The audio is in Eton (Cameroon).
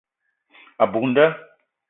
A buk nda.